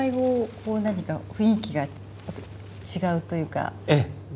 こう何か雰囲気が違うというか。